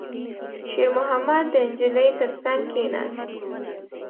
شېرمحمد د نجلۍ تر څنګ کېناست.